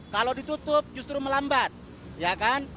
kalau ditutup justru melambat ya kan